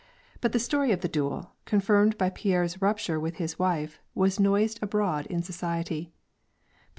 But the story of the duel, confirmed by Pierre's rupture with his wife, was noised abroad in society.